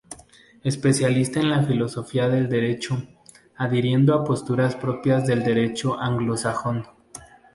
Especialista en la filosofía del derecho, adhiriendo a posturas propias del derecho anglosajón.